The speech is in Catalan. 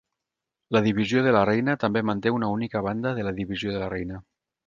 La Divisió de la reina també manté una única Banda de la Divisió de la reina.